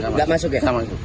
nggak masuk ya